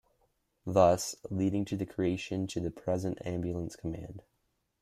Thus, leading to the creation to the present Ambulance Command.